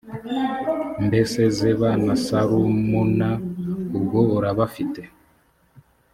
mbese zeba na salumuna ubwo urabafite